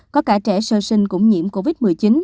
có cả trẻ sơ sinh cũng nhiễm covid một mươi chín